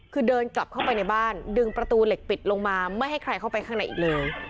คือเดินกลับเข้าไปในบ้านดึงประตูเหล็กปิดลงมาไม่ให้ใครเข้าไปข้างในอีกเลย